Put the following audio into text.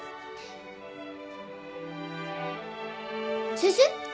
先生？